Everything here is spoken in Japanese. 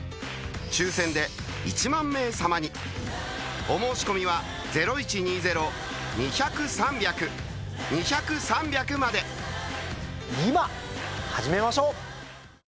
抽選で１万名様にお申し込みは今始めましょう！